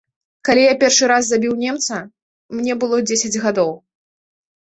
Калі я першы раз забіў немца, мне было дзесяць гадоў.